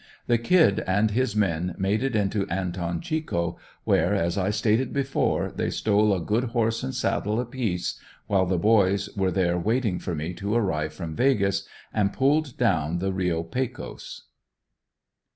The "Kid" and his men made it into Anton Chico, where, as I stated before, they stole a good horse and saddle apiece, while the boys were there waiting for me to arrive from "Vegas," and pulled down the Reo Pecos.